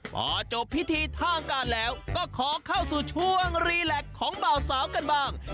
พอจบพิธีทางการแล้วก็ขอเข้าสู่ช่วงรีแล็กของเบาสาวกันบ้าง